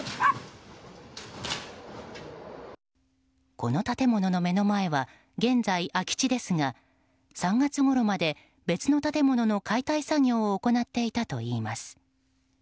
この建物の目の前は現在、空き地ですが３月ごろまで別の建物の解体作業を行っていたといいます。